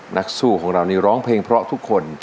นักสู้ของเรานี่ร้องเพลงเพราะทุกคน